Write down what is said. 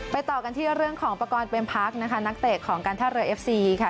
ต่อกันที่เรื่องของประกอบเป็นพักนะคะนักเตะของการท่าเรือเอฟซีค่ะ